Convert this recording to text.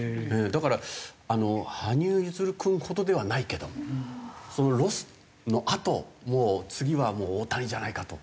だから羽生結弦君ほどではないけどもそのロスのあともう次は大谷じゃないかという事で。